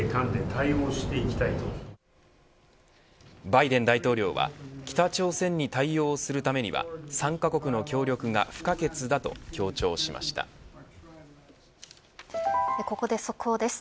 バイデン大統領は北朝鮮に対応するためには３カ国の協力がここで速報です。